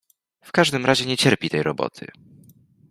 W każdym razie nie cierpi tej roboty!